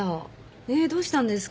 えっどうしたんですか？